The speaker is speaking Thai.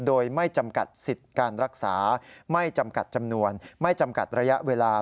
โดยไม่จำกัดสิทธิ์การรักษาไม่จำกัดจำนวนไม่จำกัดระยะเวลา